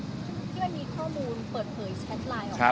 ที่มันมีข้อมูลเปิดเผยแชทไลน์ออกมา